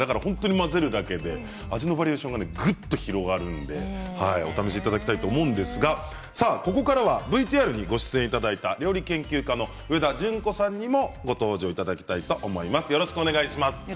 混ぜるだけで味のバリエーションがぐっと広がるのでお試しいただきたいと思うんですがここからはＶＴＲにご出演いただいた料理研究家の上田淳子さんにもご登場いただきたいと思います。